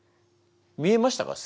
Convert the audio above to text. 見えましたか？